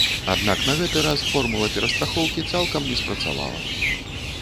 Аднак на гэты раз формула перастрахоўкі цалкам не спрацавала.